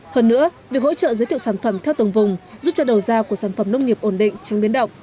hơn nữa việc hỗ trợ giới thiệu sản phẩm theo tầng vùng giúp cho đầu ra của sản phẩm nông nghiệp ổn định tránh biến động